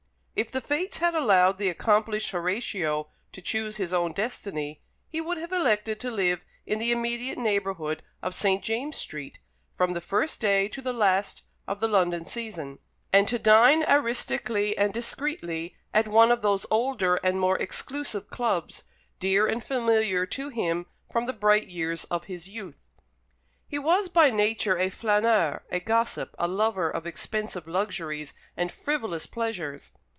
If the Fates had allowed the accomplished Horatio to choose his own destiny, he would have elected to live in the immediate neighbourhood of St. James's Street, from the first day to the last of the London season, and to dine artistically and discreetly at one of those older and more exclusive clubs dear and familiar to him from the bright years of his youth. He was by nature a flâneur, a gossip, a lover of expensive luxuries and frivolous pleasures.